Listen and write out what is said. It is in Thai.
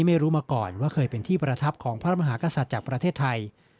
ไม่รู้มาก่อนว่าเคยเป็นที่ประทับของพระมหากษัตริย์จากประเทศไทย